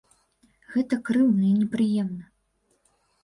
Гэта крыўдна і непрыемна.